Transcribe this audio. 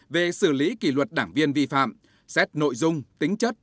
về xử lý kỷ luật đảng viên vi phạm xét nội dung tính chất